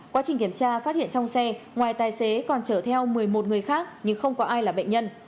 quá trình kiểm tra phát hiện trong xe ngoài tài xế còn chở theo một mươi một người khác nhưng không có ai là bệnh nhân